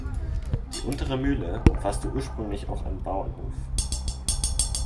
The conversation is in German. Die untere Mühle umfasste ursprünglich auch einen Bauernhof.